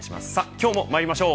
今日もまいりましょう。